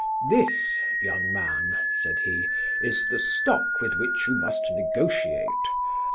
'This, young man,' said he, 'is the stock with which you must negotiate.